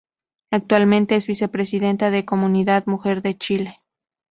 Actualmente es vicepresidenta de Comunidad Mujer de Chile.